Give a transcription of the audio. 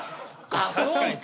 あそうか。